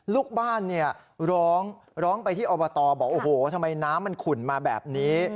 ลูกบ้านร้องไปที่อบตบอกโอ้โฮทำไมน้ำมันขุนมาแบบนี้